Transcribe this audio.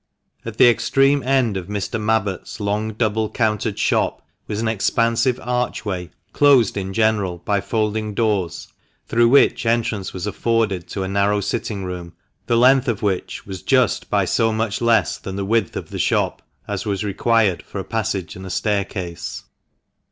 T the extreme end of Mr. Mabbott's long double countered shop was an expansive archway, closed in general by folding doors, through which entrance was afforded to a narrow sitting room, the length of which was just by so much less than the width of the shop as was required for a passage and staircase.